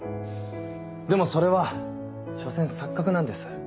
でもそれは所詮錯覚なんです。